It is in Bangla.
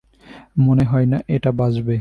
মনে হয় না এটা বাঁচবে।